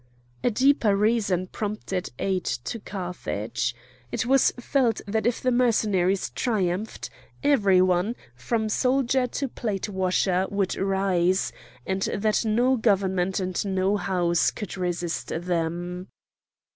A deeper reason prompted aid to Carthage. It was felt that if the Mercenaries triumphed, every one, from soldier to plate washer, would rise, and that no government and no house could resist them.